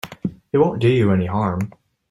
It won't do you any harm.